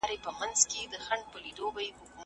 که انلاین درس وي نو هیله نه ختمیږي.